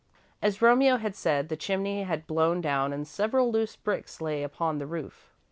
As Romeo had said, the chimney had blown down and several loose bricks lay upon the roof.